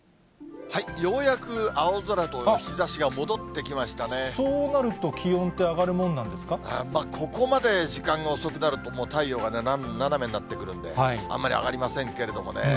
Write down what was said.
ようやく青空と日ざしが戻っそうなると、ここまで時間が遅くなると、もう太陽が斜めになってくるんで、あんまり上がりませんけれどもね。